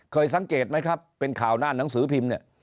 เคยสังเกตไหมครับเป็นข่าวหน้าหนังสือพิมพ์เนี่ย